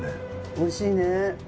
おいしいね。